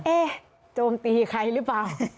โจมตีใครหรือเปล่า